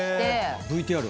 ＶＴＲ。